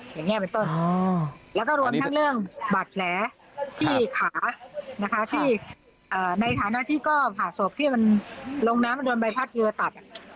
อย่างนี้เป็นต้นแล้วก็รวมทั้งเรื่องบาดแผลที่ขานะคะที่ในฐานะที่ก็ผ่าศพที่มันลงน้ำโดนใบพัดเรือตัด